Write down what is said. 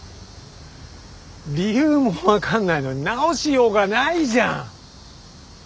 理由も分かんないのに直しようがないじゃん。